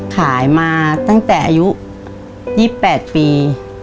ขายมาตั้งแต่อายุ๒๘ปี